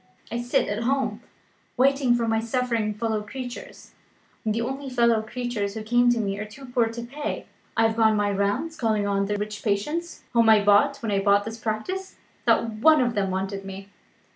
I sit at home, waiting for my suffering fellow creatures; and the only fellow creatures who come to me are too poor to pay. I have gone my rounds, calling on the rich patients whom I bought when I bought the practice. Not one of them wanted me.